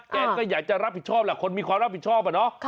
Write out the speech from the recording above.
แกก็อยากจะรับผิดชอบแหละคนมีความรับผิดชอบอะเนาะ